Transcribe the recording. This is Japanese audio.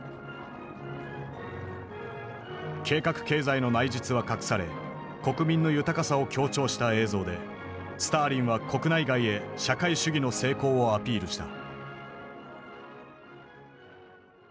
計画経済の内実は隠され国民の豊かさを強調した映像でスターリンは国内外へ社会主義の成功をアピールした。